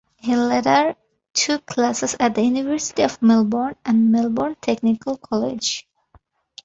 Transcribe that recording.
He later took classes at the University of Melbourne and Melbourne Technical College.